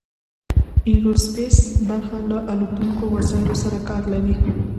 ایرو سپیس برخه له الوتونکو وسایلو سره کار لري.